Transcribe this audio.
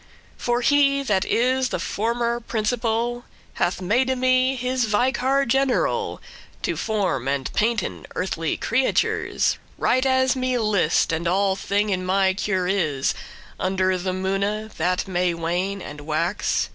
For he that is the former principal, Hath made me his vicar general To form and painten earthly creatures Right as me list, and all thing in my cure* is, *care Under the moone, that may wane and wax.